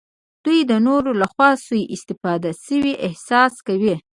دوی د نورو لخوا سوء استفاده شوي احساس کوي.